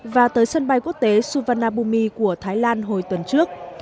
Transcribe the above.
và tới sân bay quốc tế suvarnabhumi của thái lan hồi tuần trước